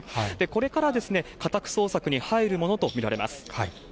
これから家宅捜索に入るものと見られます。